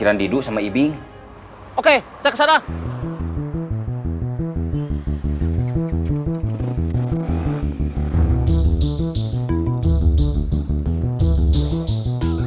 udah ada tanya ya providesharbanetad hani